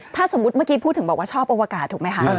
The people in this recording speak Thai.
ถ้าสมมุติเมื่อกี้พูดถึงบอกว่าชอบอวกาศถูกไหมคะ